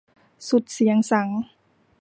สุดเสียงสังข์